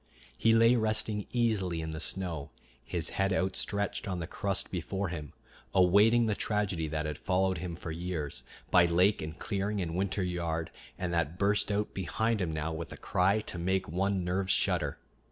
He lay resting easily in the snow, his head outstretched on the crust before him, awaiting the tragedy that had followed him for years, by lake and clearing and winter yard, and that burst out behind him now with a cry to make one's nerves shudder.